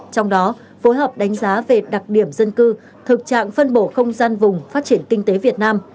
trong đó phối hợp đánh giá về đặc điểm dân cư thực trạng phân bổ không gian vùng phát triển kinh tế việt nam